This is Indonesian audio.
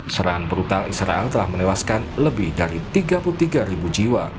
serangan brutal israel telah menewaskan lebih dari tiga puluh tiga ribu jiwa